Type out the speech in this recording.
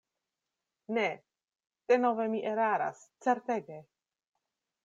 Ne, denove mi eraras, certege.